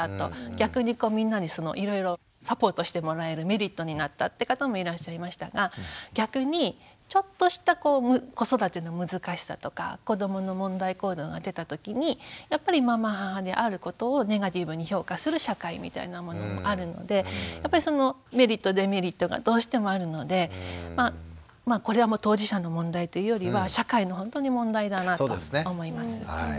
逆にみんなにいろいろサポートしてもらえるメリットになったって方もいらっしゃいましたが逆にちょっとした子育ての難しさとか子どもの問題行動が出た時にやっぱりまま母であることをネガティブに評価する社会みたいなものもあるのでやっぱりそのメリットデメリットがどうしてもあるのでこれはもう当事者の問題というよりは社会のほんとに問題だなと思います。